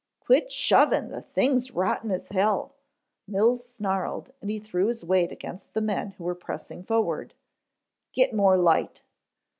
"Quit shovin', the thing's rotten as hell," Mills snarled and he threw his weight against the men who were pressing forward. "Get more light."